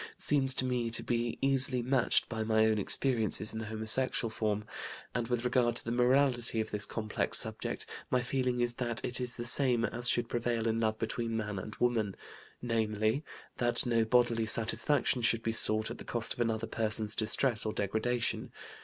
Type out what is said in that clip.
seems to me to be easily matched by my own experiences in the homosexual form; and, with regard to the morality of this complex subject, my feeling is that it is the same as should prevail in love between man and woman, namely: that no bodily satisfaction should be sought at the cost of another person's distress or degradation.